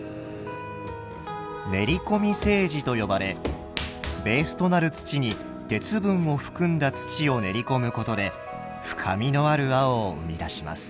練り込み青磁と呼ばれベースとなる土に鉄分を含んだ土を練り込むことで深みのある青を生み出します。